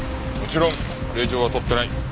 もちろん令状は取ってない。